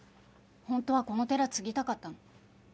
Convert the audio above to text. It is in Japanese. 本当はこの寺継ぎたかったの。